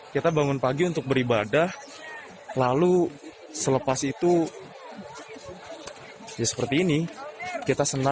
kita bangun pagi untuk beribadah lalu selepas itu ya seperti ini kita senang